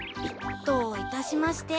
どういたしまして。